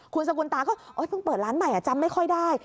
คุณสกุลตาก็เพิ่งเปิดร้านใหม่จำไม่ค่อยได้